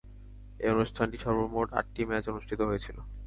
এই অনুষ্ঠানে সর্বমোট আটটি ম্যাচ অনুষ্ঠিত হয়েছিল।